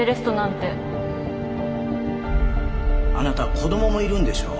あなた子供もいるんでしょ？